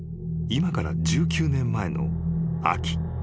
［今から１９年前の秋］